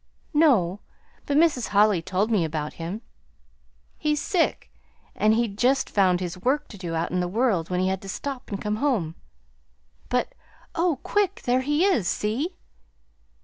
"No; but Mrs. Holly told me about him. He's sick; and he'd just found his work to do out in the world when he had to stop and come home. But oh, quick, there he is! See?"